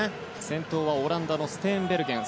先頭はオランダのステーンベルゲン。